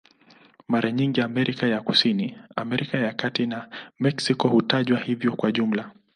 Mara nyingi Amerika ya Kusini, Amerika ya Kati na Meksiko hutajwa hivyo kwa jumla.